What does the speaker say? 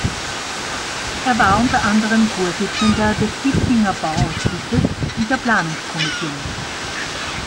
Er war unter anderem Vorsitzender des Hietzinger Bauausschusses und der Planungskommission.